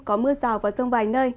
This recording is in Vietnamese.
có mưa rào và rông vài nơi